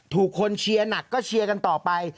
ถูกคนเชียร์หนักก็เชียร์กันต่อไป